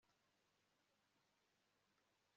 Chris buri gihe yashakaga kwiga igifaransa